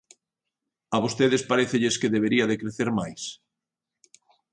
¿A vostedes parécelles que debería de crecer máis?